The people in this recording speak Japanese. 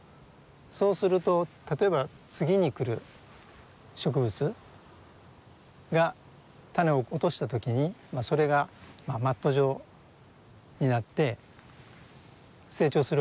そうすると例えば次に来る植物が種を落とした時にそれがマット状になって成長するわけですね。